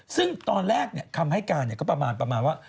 ซึ่งตอนแรกคำให้กาก็ประมาณว่า